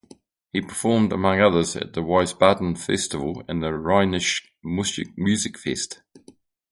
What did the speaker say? He performed among others at the Wiesbaden Festival and the Rheinische Musikfest.